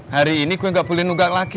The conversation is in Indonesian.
hari ini gue gak boleh nungek lagi tis